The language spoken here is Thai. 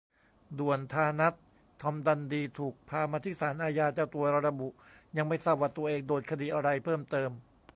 ด่วนธานัท "ทอมดันดี" ถูกพามาที่ศาลอาญา เจ้าตัวระบุยังไม่ทราบว่าตัวเองโดนคดีอะไรเพิ่มเติม